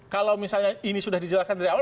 kalau misalnya ini sudah dijelaskan dari awal